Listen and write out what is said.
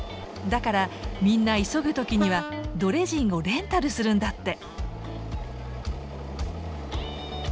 だからみんな急ぐ時にはドレジンをレンタルするんだって。